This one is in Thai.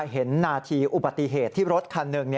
เห็นนาทีอุบัติเหตุที่รถคันหนึ่ง